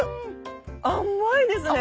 甘いですね！